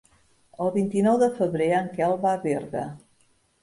El vint-i-nou de febrer en Quel va a Berga.